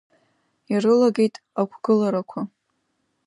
Ирылагеит ақәгыларақәа.